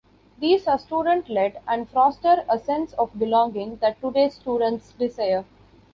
These are student-led and foster a sense of belonging that today's students desire.